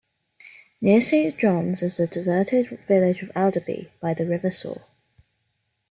Near Saint John's is the deserted village of Alderby by the River Soar.